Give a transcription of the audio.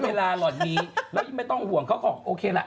เวลาหล่อนนี้ไม่ต้องห่วงเขาก็โอเคแหละ